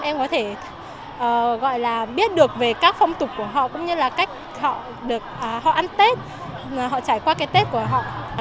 em có thể biết được về các phong tục của họ cũng như là cách họ ăn tết họ trải qua cái tết của họ